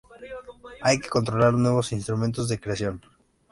Hay que controlar nuestros instrumentos de creación